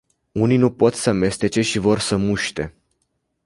Unii nu pot să mestece și vor să muște!